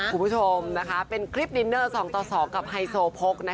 คุณผู้ชมเป็นคลิปดินเนอร์๒ต่อ๒กับไฮโซโพก